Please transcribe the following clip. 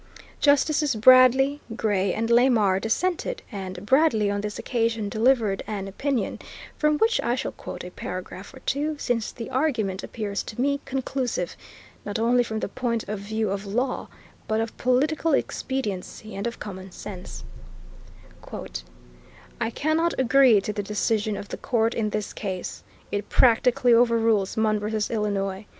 Justices Bradley, Gray, and Lamar dissented, and Bradley on this occasion delivered an opinion, from which I shall quote a paragraph or two, since the argument appears to me conclusive, not only from the point of view of law, but of political expediency and of common sense: "I cannot agree to the decision of the court in this case. It practically overrules Munn v. Illinois....